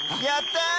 やった！